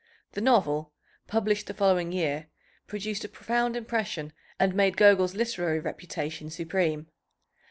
The novel, published the following year, produced a profound impression and made Gogol's literary reputation supreme.